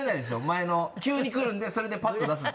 前の急にくるんでそれでパッと出すっていう。